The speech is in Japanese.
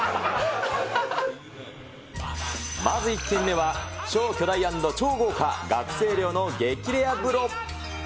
まず１軒目は、超巨大＆超豪華、学生寮の激レア風呂。